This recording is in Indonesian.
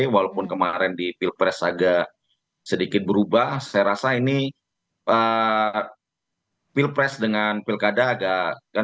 walaupun kemarin di pilpres agak sedikit berubah saya rasa ini pilpres dengan pilkada agak kan